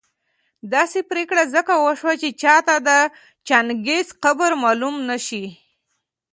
داسي پرېکړه ځکه وسوه چي چاته د چنګېز قبر معلوم نه شي